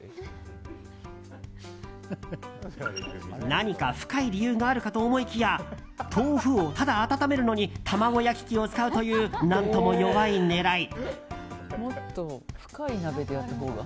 何か深い理由があるかと思いきや豆腐をただ温めるのに卵焼き器を使うという何とも弱い狙い。